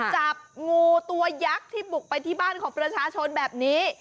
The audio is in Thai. จับงูตัวยักษ์ที่บุกไปที่บ้านของประชาชนแบบนี้